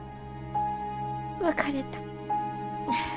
別れた。